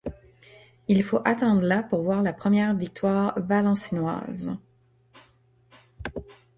Il faut attendre la pour voir la première victoire valenciennoise.